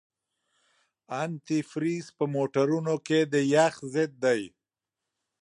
انتي فریز په موټرونو کې د یخ ضد دی.